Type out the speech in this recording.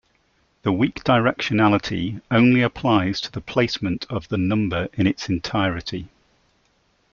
The weak directionality only applies to the placement of the number in its entirety.